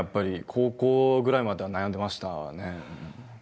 高校ぐらいまでは悩んでましたね。